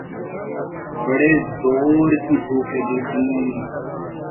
بڑے زورکی بھوک لگی تھی۔